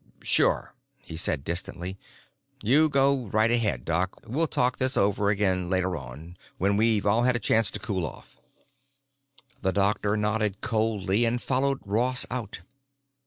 "Sure," he said distantly. "You go right ahead, Doc. We'll talk this over again later on, when we've all had a chance to cool off." The doctor nodded coldly and followed Ross out.